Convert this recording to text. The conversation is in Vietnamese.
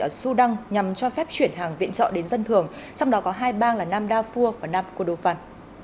ở sudan nhằm cho phép chuyển hàng viện trợ đến dân thường trong đó có hai bang là nam đa phua và nam kodofan